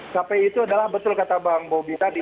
kpi itu adalah betul kata bang bobi tadi